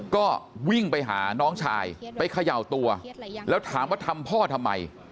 ก็วิ่งไปหาน้องชายไปเขย่าตัวแล้วถามว่าทำพ่อทำไม